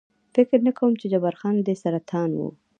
فکر نه کوم، چې جبار خان دې سرطان و.